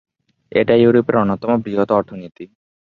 এটা ইউরোপের অন্যতম বৃহৎ অর্থনীতি।